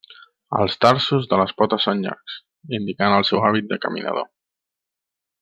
Els tarsos de les potes són llargs, indicant el seu hàbit de caminador.